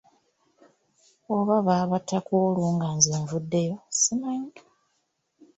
Oba baabatta ku olwo nga nze nvuddeyo simanyi.